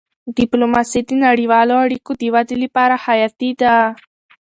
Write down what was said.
ډيپلوماسي د نړیوالو اړیکو د ودې لپاره حیاتي ده.